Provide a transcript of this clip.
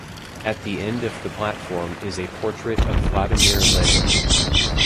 At the end of the platform is a portrait of Vladimir Lenin.